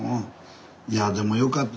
いやでもよかった。